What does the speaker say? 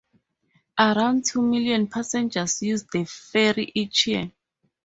Around two million passengers use the ferry each year.